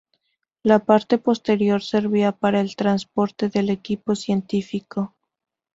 La parte posterior servía para el transporte del equipo científico.